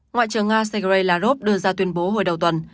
ngoại trưởng nga sergei lavrov đưa ra tuyên bố hồi đầu tuần